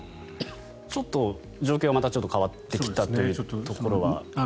ちょっと状況がまた変わってきたところは。